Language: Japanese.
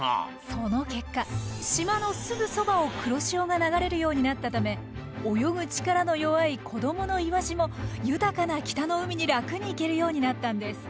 その結果島のすぐそばを黒潮が流れるようになったため泳ぐ力の弱い子どものイワシも豊かな北の海に楽に行けるようになったんです。